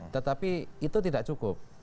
tetapi itu tidak cukup